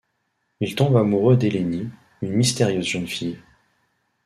Il tombe amoureux d'Eléni, une mystérieuse jeune fille.